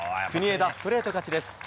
国枝、ストレート勝ちです。